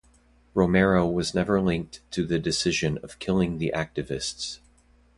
Romero was never linked to the decision of killing the activists.